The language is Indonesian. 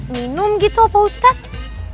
minum gitu opah ustadz